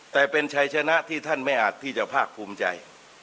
แต่เป็นชัยชนะที่ท่านไม่อาจที่จะภาคภูมิใจ